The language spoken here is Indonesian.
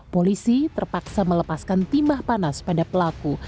polisi terpaksa melepaskan timah panas pada pelaku